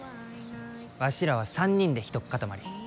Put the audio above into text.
わしらは３人でひとっかたまり。